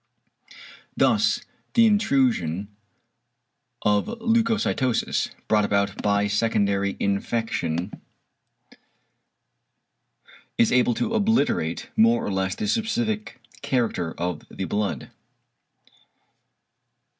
Thus the intrusion of a leucocytosis, brought about by secondary infection, is able to obliterate more or less the specific character of the blood.